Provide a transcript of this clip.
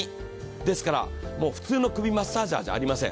ですから普通の首マッサージャーじゃありません。